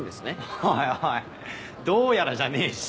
おいおい「どうやら」じゃねえし。